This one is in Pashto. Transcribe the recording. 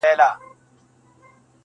• زه د ښار ښايستې لكه كمر تر ملا تړلى يم.